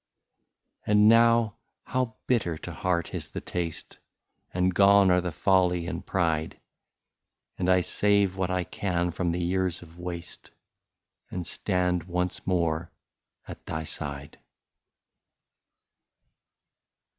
68 And now how bitter to heart is the taste, And gone are the folly and pride, And I save what I can from the years of waste, And stand once more at thy side.